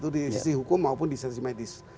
itu di sisi hukum maupun di sisi medis